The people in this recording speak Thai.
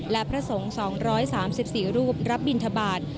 และพระสงฆ์ทรงสมณฑ์ศาสตร์๒๓๔รูปรับบินทบาท